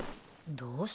どうした？